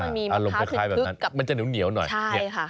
เพราะมันมีมะพร้าวคลึกกับมันจะเหนียวหน่อยใช่ค่ะ